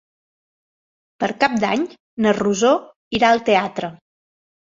Per Cap d'Any na Rosó irà al teatre.